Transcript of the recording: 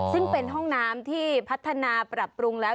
ซึ่งเป็นห้องน้ำที่พัฒนาปรับปรุงแล้ว